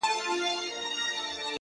اغزي يې وكرل دوى ولاړل ترينه.!